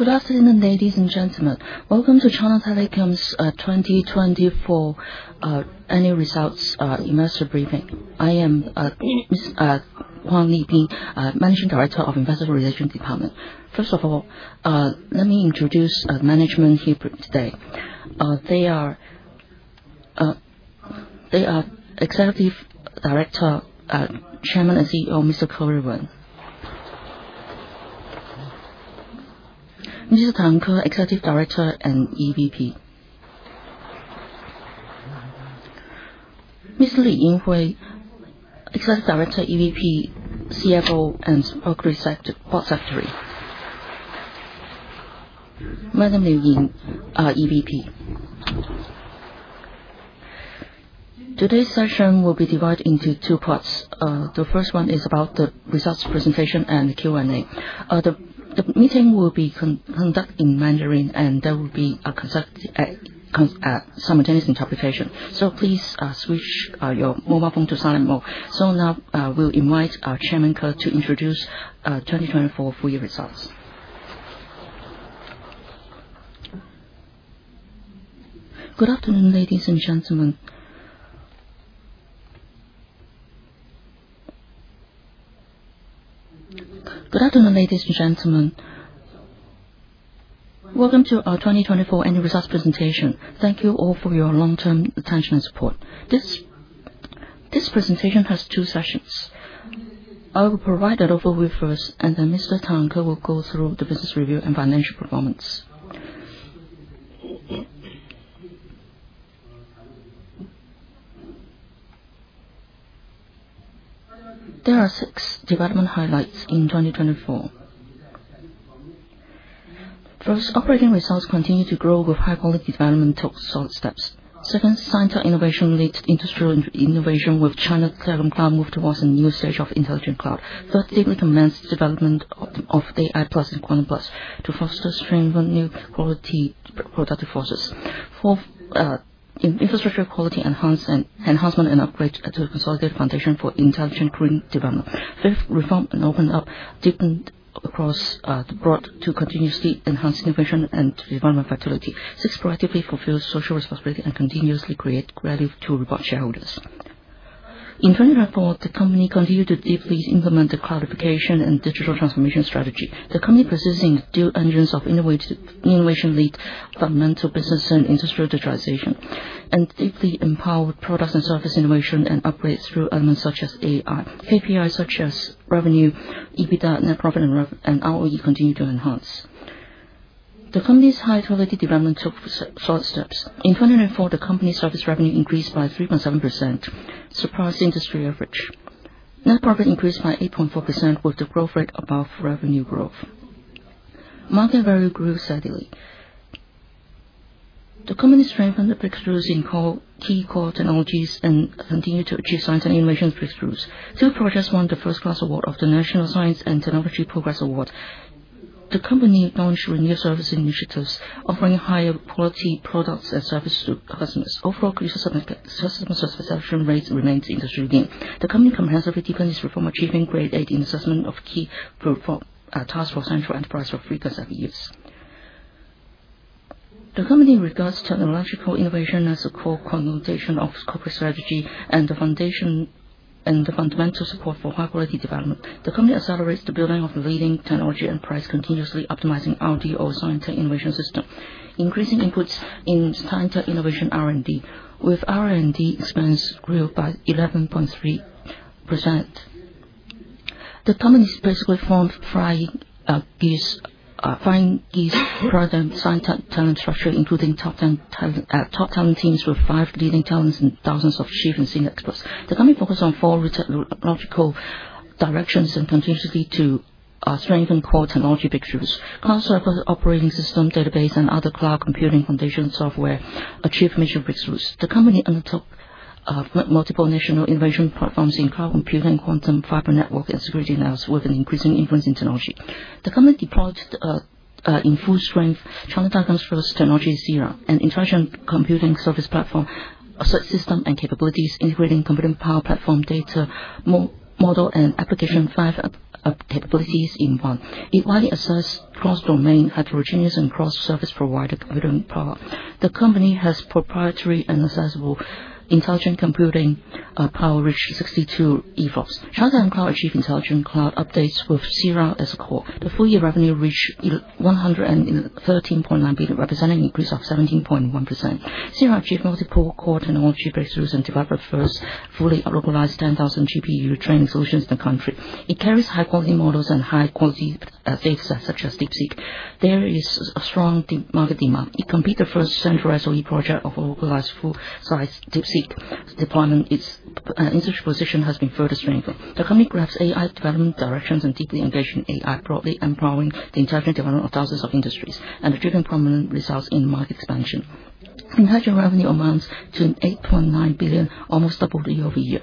Good afternoon, ladies and gentlemen. Welcome to China Telecom's 2024 annual results investor briefing. I am Huang Liping, Managing Director of Investor Relations Department. First of all, let me introduce management here today. They are Executive Director, Chairman, and CEO, Mr. Ke Wen. Mr. Tang Ke, Executive Director and EVP. Mr. Li Yinghui, Executive Director, EVP, CFO, and Corporate Strategy. Madam Liu Ying, EVP. Today's session will be divided into two parts. The first one is about the results presentation and Q&A. The meeting will be conducted in Mandarin, and there will be simultaneous interpretation. Please switch your mobile phone to silent mode. Now, we'll invite our Chairman Ke to introduce 2024 full year results. Good afternoon, ladies and gentlemen. Welcome to our 2024 annual results presentation. Thank you all for your long-term attention and support. This presentation has two sessions. I will provide an overview first, and then Mr. Tang Ke will go through the business review and financial performance. There are six development highlights in 2024. First, operating results continue to grow with high-quality development, took solid steps. Second, science and innovation-led industrial innovation with China Telecom Cloud moved towards a new stage of intelligent cloud. Third, deeply commenced development of AI Plus and Quantum Plus to foster strengthen new quality productive forces. Fourth, infrastructure quality enhancement and upgrade to consolidate foundation for intelligent green development. Fifth, reform and open up deepened across the board to continuously enhance innovation and development vitality. Sixth, proactively fulfill social responsibility and continuously create value to reward shareholders. In 2024, the company continued to deeply implement the cloudification and digital transformation strategy. The company persists in two engines of innovation-led fundamental business and industrial digitization, and deeply empowered product and service innovation and upgrades through elements such as AI. KPIs such as revenue, EBITDA, net profit, and ROE continued to enhance. The company's high-quality development took solid steps. In 2024, the company's service revenue increased by 3.7%, surpassing industry average. Net profit increased by 8.4%, with the growth rate above revenue growth. Market value grew steadily. The company strengthened the breakthroughs in key core technologies and continued to achieve science and innovation breakthroughs. Two projects won the first-class award of the State Science and Technology Progress Award. The company launched renewed service initiatives offering higher quality products and services to customers. Overall customer satisfaction rate remains industry leading. The company comprehensively deepened its reform, achieving Grade A in assessment of key task for central enterprise for frequent service. The company regards technological innovation as a core connotation of corporate strategy and the fundamental support for high-quality development. The company accelerates the building of a leading technology enterprise, continuously optimizing R&D science and innovation system, increasing inputs in science and innovation R&D, with R&D expense grew by 11.3%. The company specifically formed five key product science and talent structure, including top talent teams with five leading talents and thousands of chief and senior experts. The company focus on four technological directions and continuously to strengthen core technology breakthroughs. Cloud server, operating system, database, and other cloud computing foundation software achieve initial breakthroughs. The company undertook multiple national innovation platforms in cloud computing, quantum, fiber network, and security networks, with an increasing influence in technology. The company deployed in full strength China Telecom's first technology, Xirang, an intelligent computing service platform, a set system and capabilities integrating computing power, platform data, model, and application, five capabilities in one. It widely access cross-domain heterogeneous and cross-service provider computing power. The company has proprietary and accessible intelligent computing power reach 62 EFLOPS. China Telecom Cloud achieve intelligent cloud updates with Xirang as core. The full year revenue reached 113.9 billion, representing increase of 17.1%. Xirang achieved multiple core technology breakthroughs and developed the first fully localized 10,000 GPU training solutions in the country. It carries high-quality models and high-quality fixes such as DeepSeek. There is a strong market demand. It completed the first central SOE project of a localized full-size DeepSeek deployment. Its industry position has been further strengthened. The company grasps AI development directions and deeply engages in AI, broadly empowering the intelligent development of thousands of industries, and achieving prominent results in market expansion. Intelligent revenue amounts to 8.9 billion, almost double year-over-year.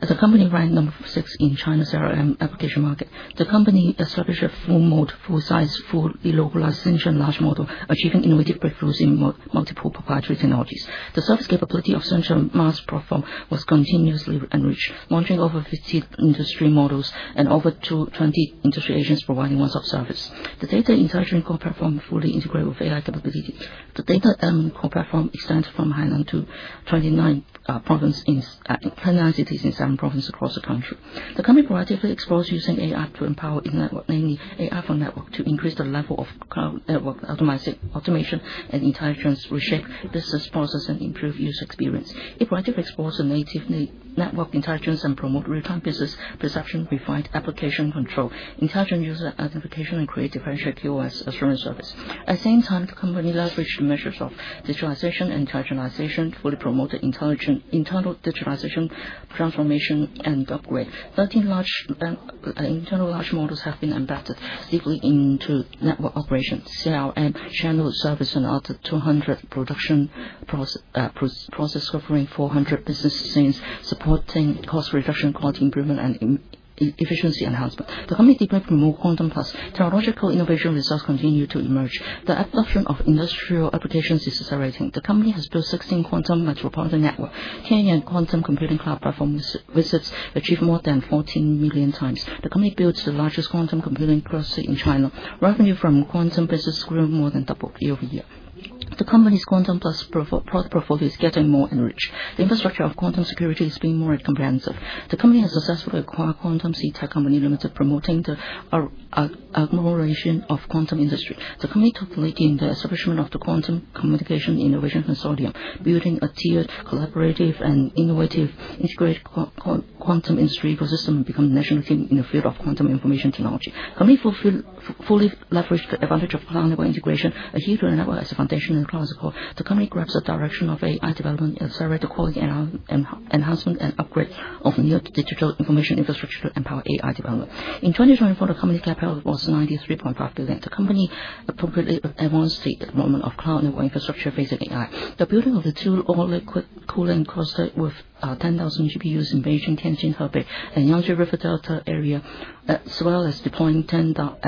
The company ranked number 6 in China's LLM application market. The company established a full mode, full-size, fully localized SenXuan large model, achieving innovative breakthroughs in multiple proprietary technologies. The service capability of Xingchen MaaS platform was continuously enriched, launching over 50 industry models and over 20 industry agents providing one-stop service. The data intelligent core platform fully integrates with AI capability. The data and core platform extends from Hainan to 29 provinces and cities in seven provinces across the country. The company proactively explores using AI to empower in network, namely AI for network, to increase the level of cloud network automation and intelligence, reshape business process, and improve user experience. It proactively explores a native network intelligence and promote real-time business perception, refined application control, intelligent user identification, and create differential QoS assurance service. At the same time, the company leveraged measures of digitalization, intelligentization, fully promote the intelligent internal digitalization transformation and upgrade. 13 internal large models have been embedded deeply into network operations, sales and channel service, and other 200 production processes covering 400 business scenes, supporting cost reduction, quality improvement, and efficiency enhancement. The company deeply promote quantum plus. Technological innovation results continue to emerge. The adoption of industrial applications is accelerating. The company has built 16 quantum metropolitan networks. 10 billion quantum computing cloud platform visits achieved more than 14 million times. The company builds the largest quantum computing cluster in China. Revenue from quantum business grew more than double year-over-year. The company's quantum plus product portfolio is getting more enriched. The infrastructure of quantum security is being more comprehensive. The company has successfully acquired QuantumCTek Co., Ltd., promoting the agglomeration of quantum industry. The company took the lead in the establishment of the Quantum Communication Innovation Consortium, building a tiered, collaborative, and innovative integrated quantum industry ecosystem, and become nationally in the field of quantum information technology. The company fully leverages the advantage of cloud network integration, adhere to a network as a foundation and cloud support. The company grabs the direction of AI development, accelerate the quality enhancement, and upgrade of new digital information infrastructure to empower AI development. In 2024, the company's CapEx was 93.5 billion. The company appropriately advanced the deployment of cloud network infrastructure facing AI. The building of the two all-liquid cooling clusters with 10,000 GPUs in Beijing, Tianjin, Hebei, and Yangtze River Delta area, as well as deploying 1,000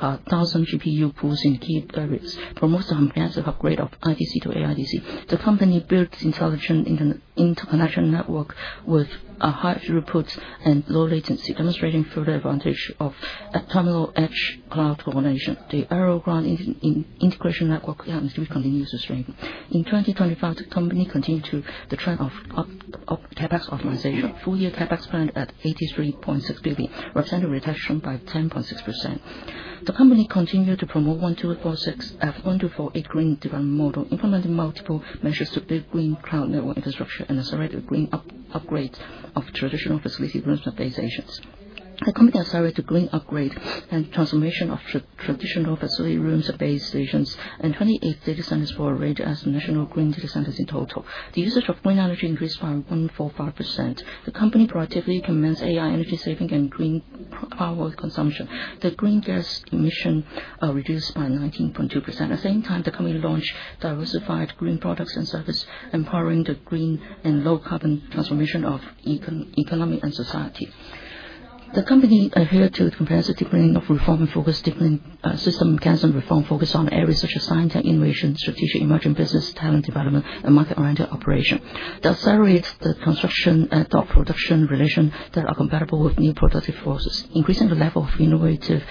GPU pools in key areas, promotes the comprehensive upgrade of ITC to AIDC. The company builds intelligent interconnection network with a high throughput and low latency, demonstrating further advantage of terminal edge cloud coordination. The aerial ground integration network continues to strengthen. In 2025, the company continue to the trend of CapEx optimization. Full year CapEx planned at 83.6 billion, representing a reduction by 10.6%. The company continued to promote 1248 green development model, implementing multiple measures to build green cloud network infrastructure, and accelerate the green upgrade of traditional facility rooms and base stations. The company accelerate the green upgrade and transformation of traditional facility rooms and base stations, and 28 data centers were rated as national green data centers in total. The usage of green energy increased by 1.45%. The company proactively commenced AI energy saving and green power consumption. The green gas emission reduced by 19.2%. At the same time, the company launched diversified green products and service, empowering the green and low carbon transformation of economy and society. The company adhered to the comprehensive deepening of reform and focused deepening system mechanism reform focused on areas such as science and innovation, strategic emerging business, talent development, and market-oriented operation, thus accelerate the construction of production relations that are compatible with new productive forces, increasing the level of innovative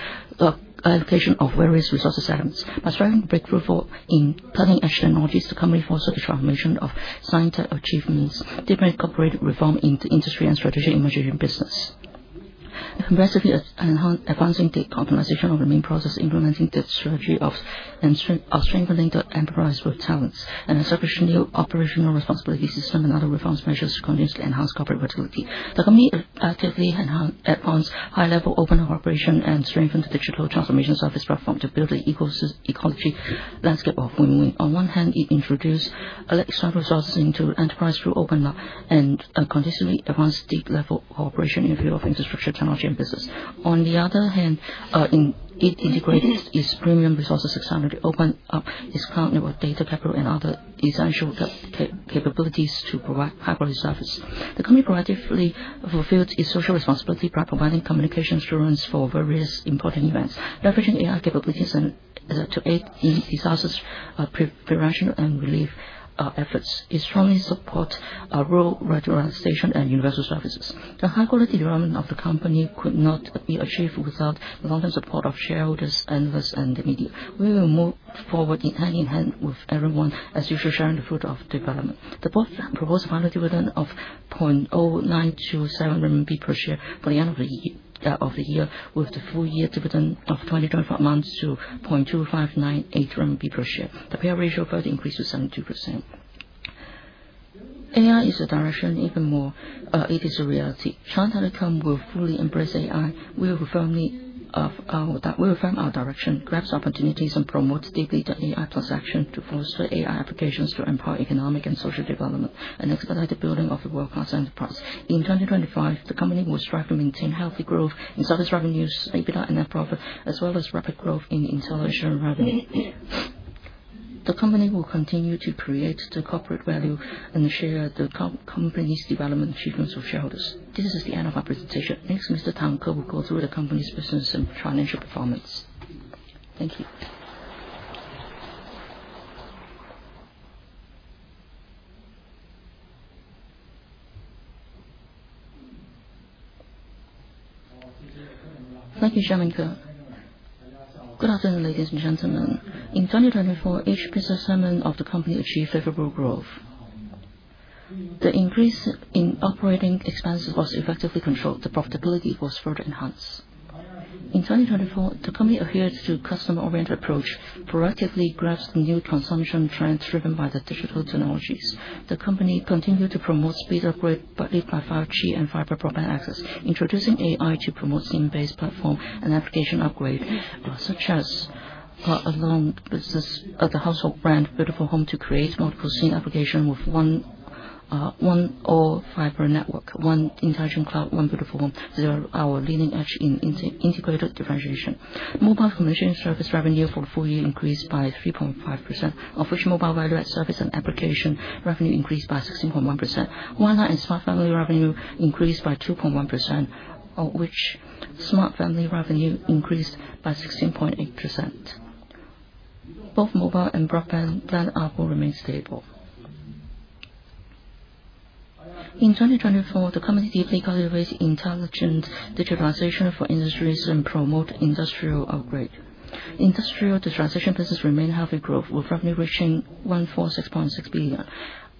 allocation of various resource elements. By striving breakthroughs in cutting-edge technologies, the company foster the transformation of scientific achievements, deepen corporate reform in the industry and strategic emerging business. Aggressively advancing deep optimization of the main process, implementing the strategy of strengthening the enterprise with talents, and establishing new operational responsibility system and other reforms measures to continuously enhance corporate vitality. The company actively enhance advanced high-level open cooperation and strengthen the digital transformation service platform to build the ecology landscape of win-win. On one hand, it introduced external resources into the enterprise through open up, and unconditionally advance deep level cooperation in the field of infrastructure, technology and business. On the other hand, it integrates its premium resources, externally open up its cloud network, data capital and other essential capabilities to provide high-quality service. The company proactively fulfilled its social responsibility by providing communication assurance for various important events, leveraging AI capabilities to aid in disaster prevention and relief efforts. It strongly support rural radio station and universal services. The high-quality development of the company could not be achieved without the long-term support of shareholders, analysts, and the media. We will move forward in hand in hand with everyone as usual, sharing the fruit of development. The board proposed final dividend of 0.0927 RMB per share for the end of the year, with the full year dividend of 2025 amounts to RMB 0.2598 per share. The payout ratio further increased to 72%. AI is the direction even more, it is a reality. China Telecom will fully embrace AI. We affirm our direction, grabs opportunities, and promote deeply the AI plus action to foster AI applications to empower economic and social development and expedite the building of a world-class enterprise. In 2025, the company will strive to maintain healthy growth in service revenues, EBITDA and net profit, as well as rapid growth in intelligent revenue. The company will continue to create the corporate value and share the company's development achievements with shareholders. This is the end of our presentation. Next, Mr. Tang Ko will go through the company's business and financial performance. Thank you. Thank you, Shenminka. Good afternoon, ladies and gentlemen. In 2024, each business segment of the company achieved favorable growth. The increase in operating expenses was effectively controlled. The profitability was further enhanced. In 2024, the company adhered to customer-oriented approach, proactively grasped new consumption trends driven by the digital technologies. The company continued to promote speed upgrade, partly by 5G and fiber broadband access, introducing AI to promote scene-based platform and application upgrade, such as along the household brand Beautiful Home to create multiple scene application with one all-fiber network, one intelligent cloud, one Beautiful Home. These are our leading edge in integrated differentiation. Mobile communication service revenue for the full year increased by 3.5%, of which mobile value-add service and application revenue increased by 16.1%. Wireless smart family revenue increased by 2.1%, of which smart family revenue increased by 16.8%. Both mobile and broadband ARPU remain stable. In 2024, the company deeply cultivated intelligent digitalization for industries and promote industrial upgrade. Industrial digitization business remain healthy growth, with revenue reaching 146.6 billion,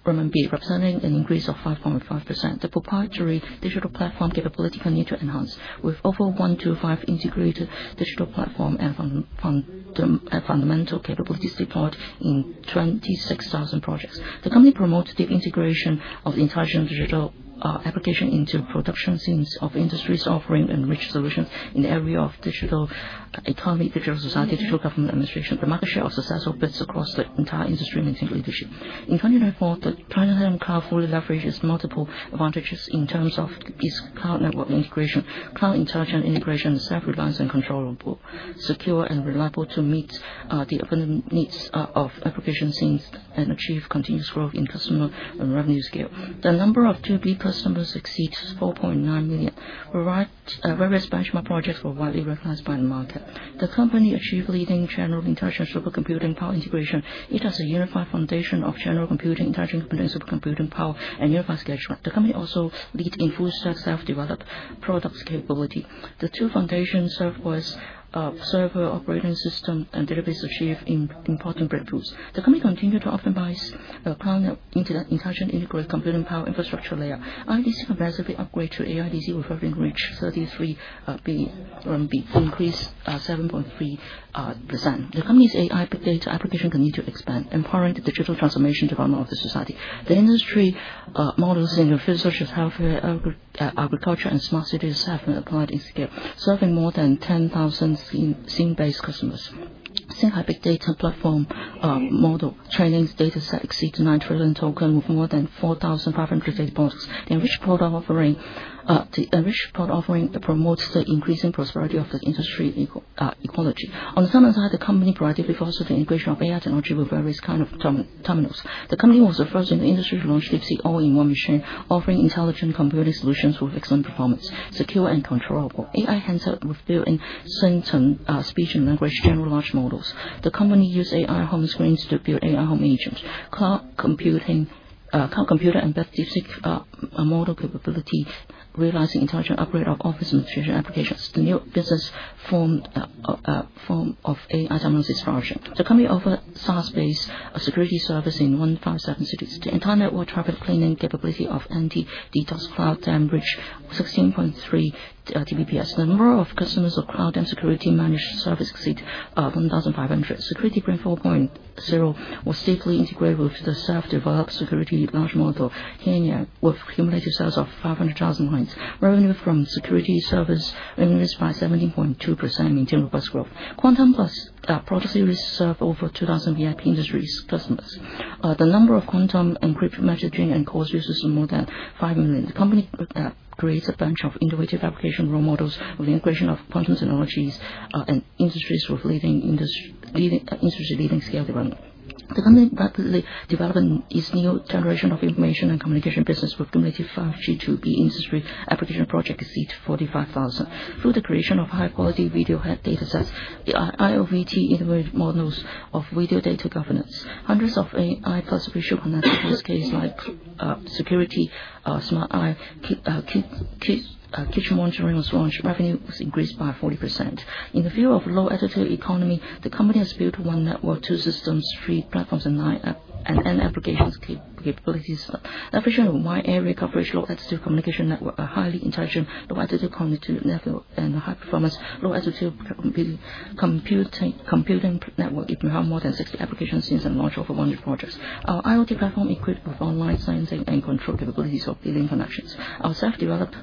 representing an increase of 5.5%. The proprietary digital platform capability continued to enhance with over 125 integrated digital platform and fundamental capabilities deployed in 26,000 projects. The company promoted the integration of intelligent digital application into production scenes of industries, offering enriched solutions in the area of digital economy, digital society, digital government administration. The market share of successful bids across the entire industry maintained leadership. In 2024, the China Telecom Cloud fully leverages multiple advantages in terms of its cloud network integration, cloud intelligent integration, self-reliant and controllable, secure and reliable to meet the urgent needs of application scenes, and achieve continuous growth in customer and revenue scale. The number of 2B+ numbers exceeds 4.9 million. Various benchmark projects were widely recognized by the market. The company achieved leading general intelligent supercomputing power integration. It has a unified foundation of general computing, intelligent computing, supercomputing power, and unified scheduler. The company also lead in full-stack self-developed product capability. The two foundations serve server operating system and database achieved important breakthroughs. The company continued to optimize cloud internet intelligent integrated computing power infrastructure layer. IDC capacity upgrade to AI DC will further reach RMB 33 billion, increase 7.3%. The company's AI big data application continued to expand, empowering the digital transformation development of the society. The industry models in the field such as healthcare, agriculture, and smart cities have been applied in scale, serving more than 10,000 scene-based customers. Xinghai Big Data platform model training dataset exceeds 9 trillion token with more than 4,500 data points. The enriched product offering promotes the increasing prosperity of the industry ecology. On the consumer side, the company proactively fostered the integration of AI technology with various kind of terminals. The company was the first in the industry to launch 50 all-in-one machine, offering intelligent computing solutions with excellent performance, secure and controllable. AI handset was built in Shenzhen Speech and Language General Large Models. The company use AI home screens to build AI home agents. Cloud computer embedded basic model capability, realizing intelligent upgrade of office and administration applications. The new business form of AI terminals is flourishing. The company offer SaaS-based security service in 157 cities. The entire network traffic cleaning capability of anti-DDoS Cloud Dam reach 16.3 Tbps. The number of customers of Cloud Dam security managed service exceed 1,500. Security Brain 4.0 was deeply integrated with the self-developed security large model, Heting, with cumulative sales of 500,000 lines. Revenue from security service increased by 17.2% in terms of S growth. Quantum Plus product series serve over 2,000 VIP industries customers. The number of quantum encrypted messaging and call services is more than 5 million. The company creates a bunch of innovative application role models with the integration of quantum technologies and industries with industry-leading scale development. The company rapidly developed its new generation of information and communication business, with cumulative 5G to-B industry application project exceed 45,000. Through the creation of high-quality video datasets, the IoVT integrated models of video data governance. Hundreds of AI+ visual enhancement use case like security, smart AI, kitchen monitoring was launched. Revenue was increased by 40%. In the view of low-attitude economy, the company has built 1 network, 2 systems, 3 platforms and end applications capabilities, efficiently wide area coverage, low-attitude communication network, a highly intelligent, low-attitude cognitive network, and high performance, low-attitude computing network. It can have more than 60 application scenes and launch over 100 projects. Our IoT platform equipped with online sensing and control capabilities of billion connections. Our self-developed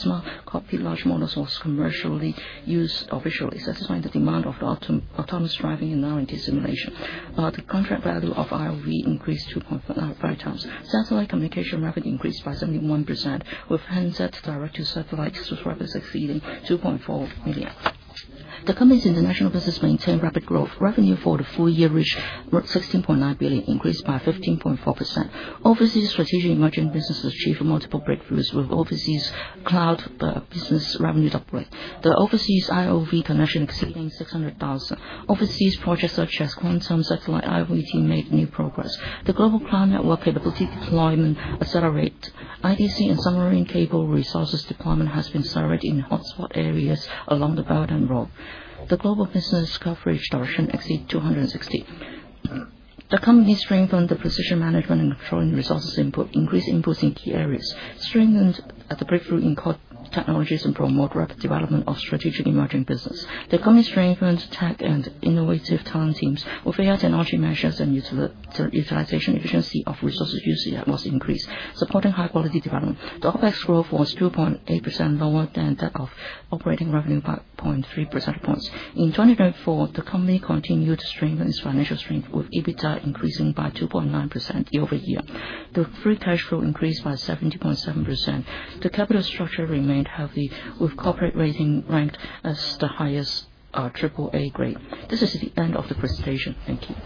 smart copy large models was commercially used officially, satisfying the demand of the autonomous driving and R&D simulation. The contract value of IoV increased 2.5 times. Satellite communication revenue increased by 71%, with handsets direct to satellite subscribers exceeding 2.4 million. The company's international business maintained rapid growth. Revenue for the full year reached 16.9 billion, increased by 15.4%. Overseas strategic emerging businesses achieved multiple breakthroughs, with overseas cloud business revenue doubled. The overseas IoV connection exceeding 600,000. Overseas projects such as quantum satellite, IoVT made new progress. The global cloud network capability deployment accelerate. IDC and submarine cable resources deployment has been surveyed in hotspot areas along the Belt and Road. The global business coverage direction exceed 260. The company strengthened the precision management and controlling resources input, increased inputs in key areas, strengthened the breakthrough in core technologies and promote rapid development of strategic emerging business. The company strengthened tech and innovative talent teams with AI technology measures and utilization efficiency of resources used was increased, supporting high quality development. The OpEx growth was 2.8% lower than that of operating revenue by 0.3 percentage points. In 2024, the company continued to strengthen its financial strength with EBITDA increasing by 2.9% year-over-year. The free cash flow increased by 70.7%. The capital structure remained healthy, with corporate rating ranked as the highest AAA grade. This is the end of the presentation. Thank you.